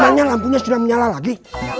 makanya lampunya sudah menyala lagi